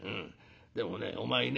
でもねお前ね